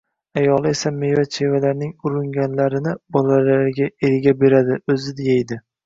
Ayoli esa meva-chevalarning uringanlarini bolalariga, eriga beradi, o‘zi yeydi